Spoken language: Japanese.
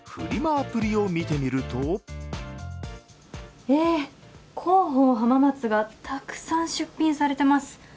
アプリを見てみるとえっ、「広報はままつ」がたくさん出品されています。